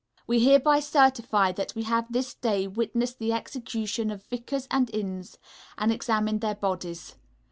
We hereby certify that we have this day witnessed the Execution of Vickers and Innes, and examined their bodies.